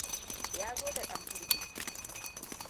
Ya zo da dan firgici.